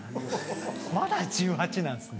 まだ１８歳なんですね。